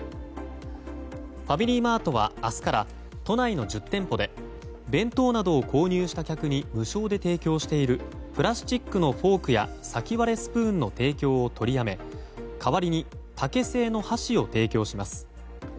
ファミリーマートは明日から都内の１０店舗で弁当などを購入した客に無償で提供しているプラスチックのフォークや先割れスプーンの提供を取りやめ代わりに竹製の箸を提供します。